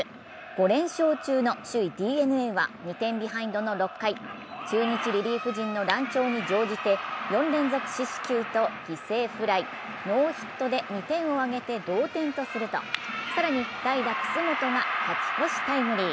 ５連勝中の首位ＤｅＮＡは、２点ビハインドの６回、中日リリーフ陣の乱調に乗じて４連続四死球と犠牲フライノーヒットで２点を挙げて同点とすると更に代打・楠本が勝ち越しタイムリー。